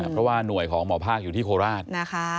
เพราะว่าหน่วยของหมอภาคอยู่ที่โคราชนะคะ